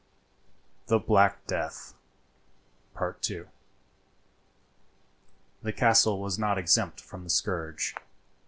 THE BLACK DEATH.—II The castle was not exempt from the scourge.